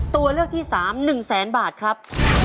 ตัวเลือกที่๓๑แสนบาทครับ